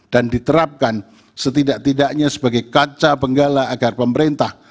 dan diterapkan setidak tidaknya sebagai kaca benggala agar pemerintah